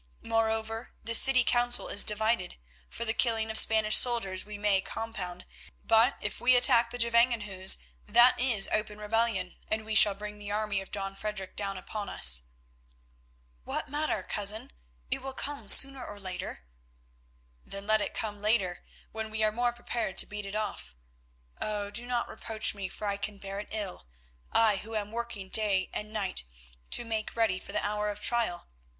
Moreover, the city council is divided. For the killing of the Spanish soldiers we may compound, but if we attack the Gevangenhuis, that is open rebellion, and we shall bring the army of Don Frederic down upon us." "What matter, cousin? It will come sooner or later." "Then let it come later, when we are more prepared to beat it off. Oh! do not reproach me, for I can bear it ill, I who am working day and night to make ready for the hour of trial.